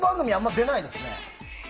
俺、出ないですね。